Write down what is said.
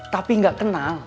tapi gak kenal